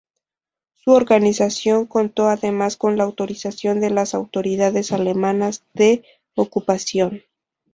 Su organización contó además con la autorización de las autoridades alemanas de ocupación.